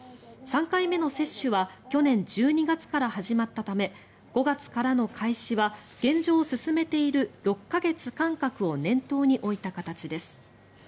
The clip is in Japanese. ３回目の接種は去年１２月から始まったため５月からの開始は現状進めている６か月間隔を念頭に置いた形です。